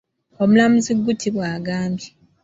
Omulamuzi Gutti bw’agambye.